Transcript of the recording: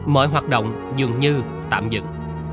mọi hoạt động dường như tạm dựng